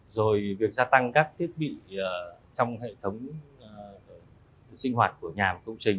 rồi việc gia tăng các thiết bị trong hệ thống sinh hoạt của nhà và công trình